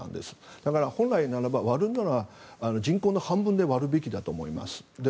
だから、本来ならば人口の半分で割るべきだと思います。